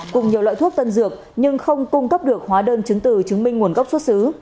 cùng nhiều loại thuốc tân dược nhưng không cung cấp được hóa đơn chứng từ chứng minh nguồn gốc xuất xứ